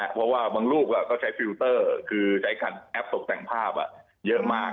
เพราะว่าบางลูกก็ใช้ฟิลเตอร์คือใช้คันแอปตกแต่งภาพเยอะมาก